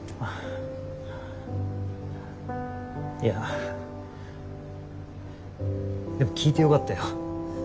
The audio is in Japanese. いやでも聞いてよかったよ。